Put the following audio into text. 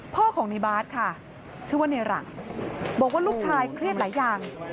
พ่อของในบาสค่ะชื่อว่าในหลังบอกว่าลูกชายเครียดหลายอย่าง